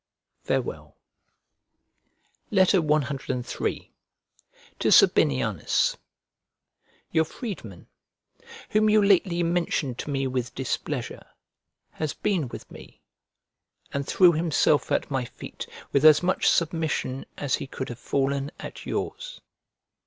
Farewell. CIII To SABINIANUS YOUR freedman, whom you lately mentioned to me with displeasure, has been with me, and threw himself at my feet with as much submission as he could have fallen at yours.